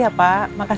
sampai jumpa lagi